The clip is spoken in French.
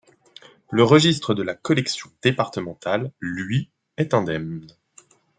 Le registre de la collection départementale, lui, est indemne.